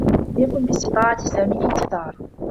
لم يكن باستطاعة سامي الانتظار.